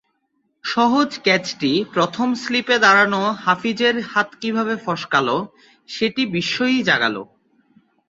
সহজ ক্যাচটি প্রথম স্লিপে দাঁড়ানো হাফিজের হাত কীভাবে ফসকাল, সেটি বিস্ময়ই জাগাল।